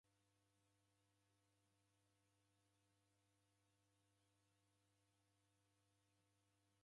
Meda eomaoma kwa w'undu ghwa midi kudemwa kishakisha.